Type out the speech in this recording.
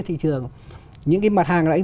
thị trường những cái mặt hàng